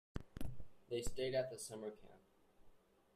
They stayed at a summer camp.